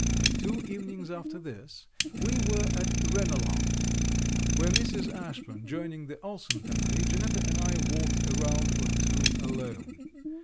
Two evenings after this, we were at Ranelagh, where Mrs. Ashburn joining the Ulson family, Janetta and I walked a round or two alone.